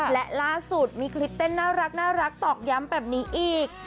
และล่าสุดมีคลิปเต้นน่ารักตอกย้ำแบบนี้อีก